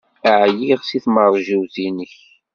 Ɛyiɣ seg tmeṛjiwt-nnek.